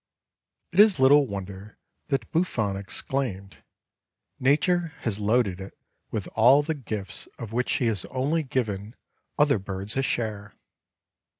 It is little wonder that Buffon exclaimed, "Nature has loaded it with all the gifts of which she has only given other birds a share!"